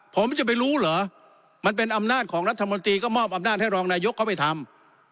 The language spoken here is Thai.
ผมจะไปรู้เหรอมันเป็นอำนาจของรัฐมนตรีก็มอบอำนาจให้รองนายกเข้าไปทำ